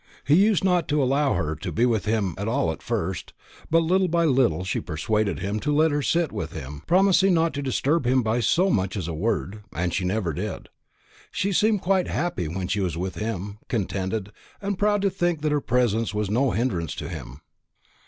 He used not to allow her to be with him at all at first, but little by little she persuaded him to let her sit with him, promising not to disturb him by so much as a word; and she never did. She seemed quite happy when she was with him, contented, and proud to think that her presence was no hindrance to him."